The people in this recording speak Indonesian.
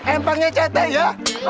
empangnya cetek ya